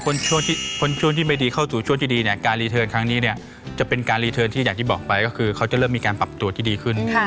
ช่วงที่ไม่ดีเข้าสู่ช่วงที่ดีเนี่ยการรีเทิร์นครั้งนี้เนี่ยจะเป็นการรีเทิร์นที่อย่างที่บอกไปก็คือเขาจะเริ่มมีการปรับตัวที่ดีขึ้น